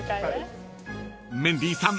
［メンディーさん